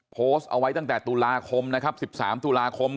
โพสต์เอาไว้ตั้งแต่ตุลาคมนะครับ๑๓ตุลาคม